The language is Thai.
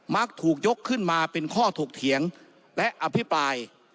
มักถูกยกขึ้นมาเป็นข้อถกเถียงและอภิปราย